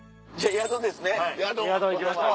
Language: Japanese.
宿行きましょう。